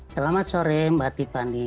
selamat sore mbak titpandi